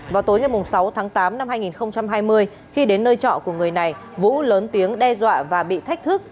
vào tối ngày sáu tháng tám năm hai nghìn hai mươi khi đến nơi trọ của người này vũ lớn tiếng đe dọa và bị thách thức